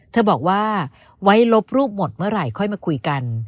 เธอบอกว่าไว้ลบรูปหมดเมื่อไหร่ค่อยมาคุยกัน